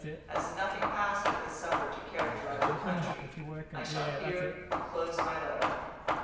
As nothing passed at this supper to characterise the country, I shall here close my letter.